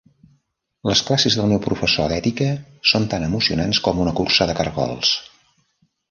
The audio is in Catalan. Les classes del meu professor d'ètica són tan emocionants com una cursa de cargols.